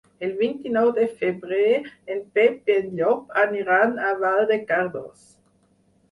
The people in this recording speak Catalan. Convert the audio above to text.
El vint-i-nou de febrer en Pep i en Llop aniran a Vall de Cardós.